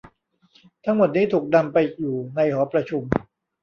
ทั้งหมดนี้ถูกนำไปอยู่ในหอประชุม